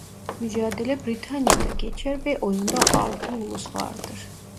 Mücadele Britanya' da geçer ve oyunda altı ulus vardır.